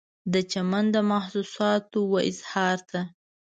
د چمن د محسوساتو و اظهار ته